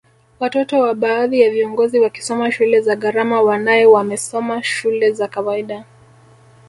Watoto wa baadhi ya viongozi wakisoma shule za gharama wanae wamesoma shule za kawaida